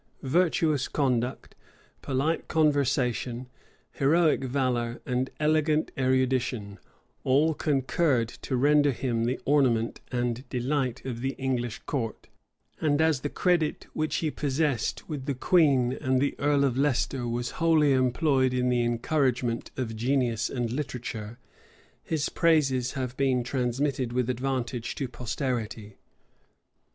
Virtuous conduct, polite conversation, heroic valor, and elegant erudition, all concurred to render him the ornament and delight of the English court; and as the credit which he possessed with the queen and the earl of Leicester was wholly employed in the encouragement of genius and literature, his praises have been transmitted with advantage to posterity.